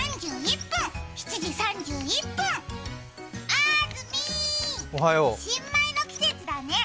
あーずみー、新米の季節だね。